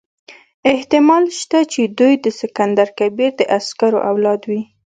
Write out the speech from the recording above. احتمال شته چې دوی د سکندر کبیر د عسکرو اولاد وي.